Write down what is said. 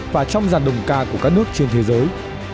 và trong dàn đồng ca của các nước trên thế giới